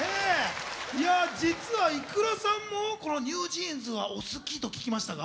実はｉｋｕｒａさんもこのＮｅｗＪｅａｎｓがお好きと聞きましたが。